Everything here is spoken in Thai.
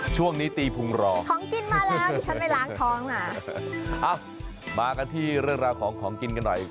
ช่วงนี้ตีพุงรอของกินมาแล้วดิฉันไปล้างท้องนะเอ้ามากันที่เรื่องราวของของกินกันหน่อย